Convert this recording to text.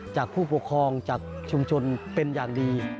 จากผู้ปกครองจากชุมชนเป็นอย่างดี